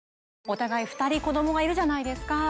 お互い２人子供がいるじゃないですか。